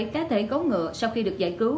hai cá thể gấu ngựa sau khi được giải cứu